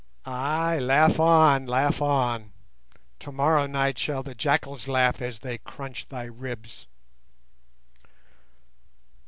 Ay, laugh on, laugh on! tomorrow night shall the jackals laugh as they crunch thy ribs."